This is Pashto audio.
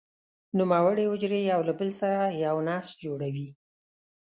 نوموړې حجرې یو له بل سره یو نسج جوړوي.